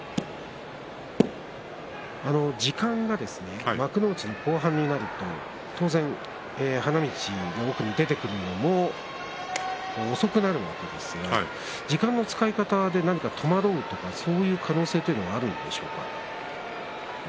時間は幕内の後半になると花道の奥に出てくるのも遅くなるわけですが時間の使い方で何か戸惑うとかそういう可能性というのはあるんでしょうか？